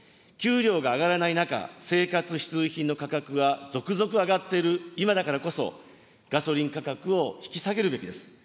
給料が上がらない中、生活必需品の価格が続々上がっている今だからこそ、ガソリン価格を引き下げるべきです。